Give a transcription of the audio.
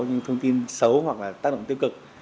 những thông tin xấu hoặc là tác động tiêu cực